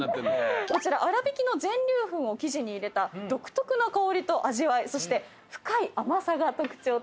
こちら粗びきの全粒粉を生地に入れた独特な香りと味わいそして深い甘さが特徴となっています。